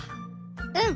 うん。